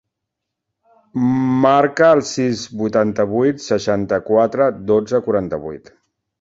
Marca el sis, vuitanta-vuit, seixanta-quatre, dotze, quaranta-vuit.